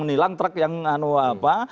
menilang truk yang apa